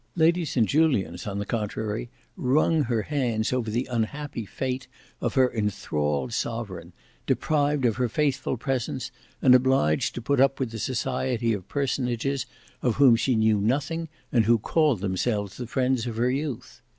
Lady St Julians on the contrary wrung her hands over the unhappy fate of her enthralled sovereign, deprived of her faithful presence and obliged to put up with the society of personages of whom she knew nothing and who called themselves the friends of her youth.